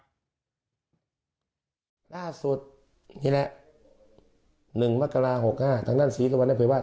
หน้าสุดอย่างงี้แหละหนึ่งมะกะลาหกห้าทั้งนั้นศรีสุวรรณให้เผยว่า